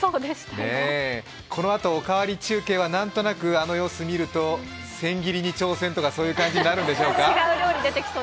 このあと、おかわり中継は、なんとなくあの様子を見ると千切りに挑戦とかそういう感じになるんでしょうか？